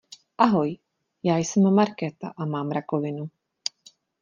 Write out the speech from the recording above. Ahoj, já jsem Markéta a mám rakovinu.